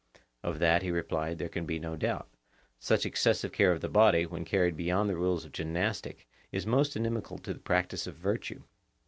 Of that, he replied, there can be no doubt; such excessive care of the body, when carried beyond the rules of gymnastic, is most inimical to the practice of virtue.